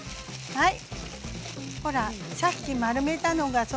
はい。